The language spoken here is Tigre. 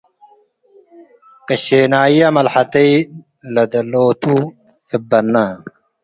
ቅሼናየ መልሐተይ ለደሎቱ እብ በነ